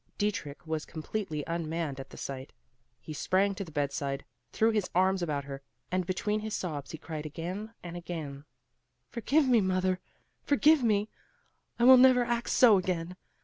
Dietrich was completely unmanned at the sight. He sprang to the bedside, threw his arms about her, and between his sobs he cried again and again, "Forgive me, mother, forgive me! I will never act so again!